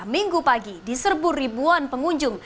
minggu pagi diserbu ribuan pengunjung